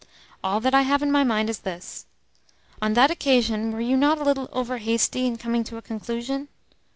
All that I have in my mind is this. On that occasion were you not a little over hasty in coming to a conclusion?